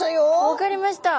分かりました。